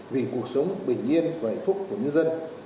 vì cuộc sống bình yên và hạnh phúc của nhân dân